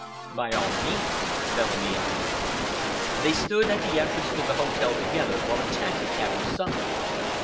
"By all means," Bellamy answered. They stood at the entrance to the hotel together while a taxicab was summoned.